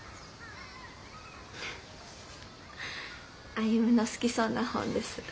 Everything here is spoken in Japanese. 歩の好きそうな本です。